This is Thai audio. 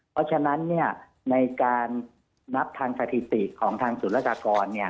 เพราะฉะนั้นเนี่ยในการนับทางสถิติของทางสุรกากรเนี่ย